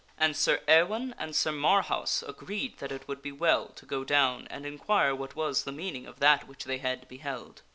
And Sir Ewaine and Sir Marhaus agreed that it would be well to go down and inquire what was the meaning of that which they had beheld.